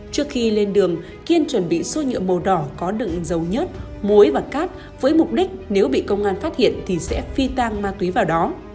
trước khi lên đường kiên chuẩn bị xô nhựa màu đỏ có đựng dấu nhất mối và cát với mục đích nếu bị công an phát hiện thì sẽ phi tăng ma túy vào đó